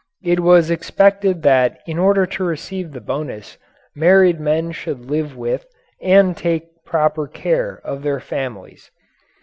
It was expected that in order to receive the bonus married men should live with and take proper care of their families.